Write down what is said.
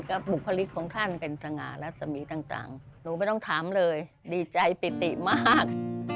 ก็บุคลิกของท่านเป็นสง่ารัศมีต่างหนูไม่ต้องถามเลยดีใจปิติมาก